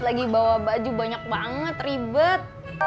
lagi bawa baju banyak banget ribet